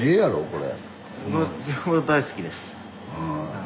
これ。